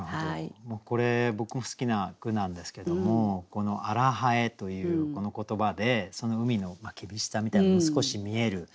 これ僕も好きな句なんですけどもこの「荒南風」というこの言葉でその海の厳しさみたいなのも少し見える。